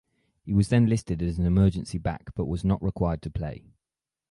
He was then listed as an emergency back but was not required to play.